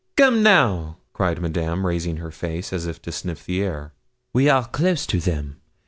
'Come, now!' cried Madame, raising her face, as if to sniff the air; 'we are close to them.